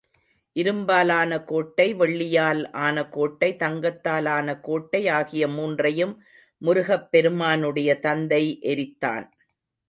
இரும்பாலான கோட்டை, வெள்ளியால் ஆன கோட்டை, தங்கத்தாலான கோட்டை ஆகிய மூன்றையும் முருகப் பெருமானுடைய தந்தை எரித்தான்.